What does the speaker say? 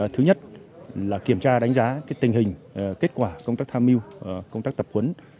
thứ nhất là kiểm tra đánh giá tình hình kết quả công tác tham mưu công tác tập huấn